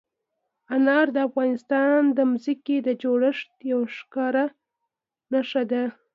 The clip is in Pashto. انار د افغانستان د ځمکې د جوړښت یوه ښکاره نښه ده.